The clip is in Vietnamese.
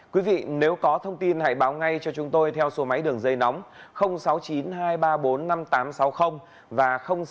quý vị nếu có thông tin hãy báo ngay cho chúng tôi theo số máy đường dây nóng sáu mươi chín hai trăm ba mươi bốn năm nghìn tám trăm sáu mươi và sáu mươi chín hai trăm ba mươi hai một nghìn sáu trăm